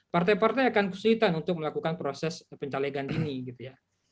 partai partai akan kesulitan untuk melakukan proses pencalegan ini gitu ya